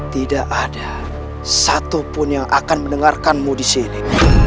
tidak ada satupun yang akan mendengarkanmu disini